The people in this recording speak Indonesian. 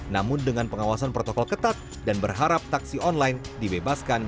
namun dengan pengawasan protokol ketat dan berharap taksi online dibebaskan